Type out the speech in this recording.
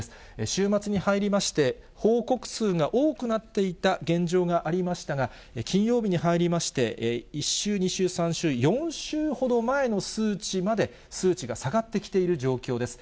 週末に入りまして、報告数が多くなっていた現状がありましたが、金曜日に入りまして、１週、２週、３週、４週ほど前の数値まで、数値が下がってきている状況です。